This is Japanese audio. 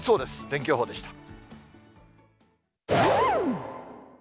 天気予報でした。